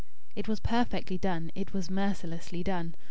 It was perfectly done. It was mercilessly done.